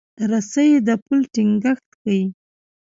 رسۍ د پل ټینګښت ښيي.